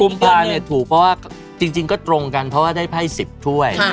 ุมภาเนี่ยถูกเพราะว่าจริงก็ตรงกันเพราะว่าได้ไพ่๑๐ถ้วย